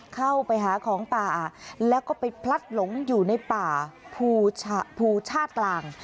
เข้าไปหาของป่าแล้วก็ไปพลัดหลงอยู่ในป่าภูชาติกลาง